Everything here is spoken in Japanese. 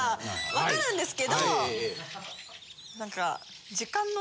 分かるんですけど。